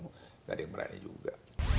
tidak ada yang berani juga